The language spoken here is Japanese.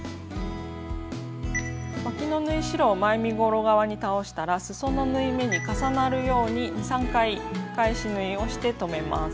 わきの縫い代は前身ごろ側に倒したらすその縫い目に重なるように２３回返し縫いをして留めます。